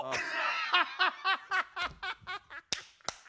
ハハハハ！